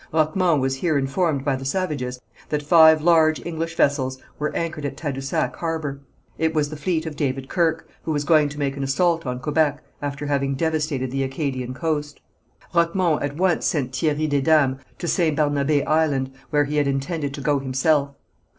Roquemont was here informed by the savages that five large English vessels were anchored in Tadousac harbour. It was the fleet of David Kirke, who was going to make an assault on Quebec, after having devastated the Acadian coast. Roquemont at once sent Thierry Desdames to St. Barnabé Island, where he had intended to go himself.